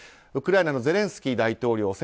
ウクライナのゼレンスキー大統領